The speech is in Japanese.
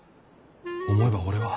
思えば俺は。